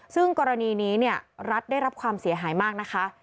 ซึ่งกรณีนี้รัฐได้รับความเสียหายมากนะคะ